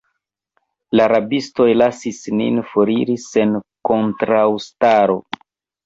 La rabistoj lasis nin foriri sen kontraŭstaro.